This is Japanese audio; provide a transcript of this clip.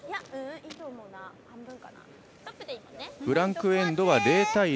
ブランクエンドは０対０